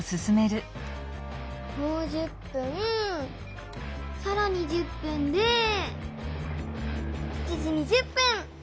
もう１０分さらに１０分で７時２０分！